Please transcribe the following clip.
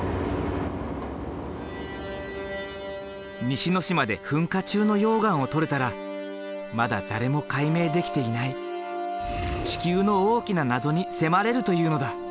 西之島で噴火中の溶岩を採れたらまだ誰も解明できていない地球の大きな謎に迫れるというのだ。